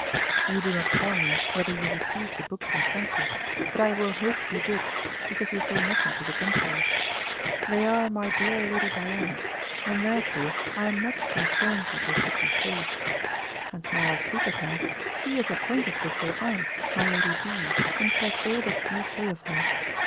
You do not tell me whether you received the books I sent you, but I will hope you did, because you say nothing to the contrary. They are my dear Lady Diana's, and therefore I am much concerned that they should be safe. And now I speak of her, she is acquainted with your aunt, my Lady B., and says all that you say of her.